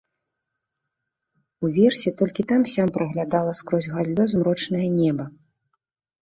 Уверсе толькі там-сям праглядала скрозь галлё змрочнае неба.